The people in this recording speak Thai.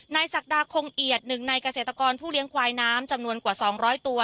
ศักดาคงเอียดหนึ่งในเกษตรกรผู้เลี้ยงควายน้ำจำนวนกว่า๒๐๐ตัว